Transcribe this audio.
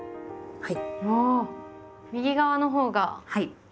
はい。